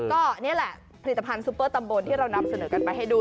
ก็นี่แหละผลิตภัณฑ์ซุปเปอร์ตำบลที่เรานำเสนอกันไปให้ดู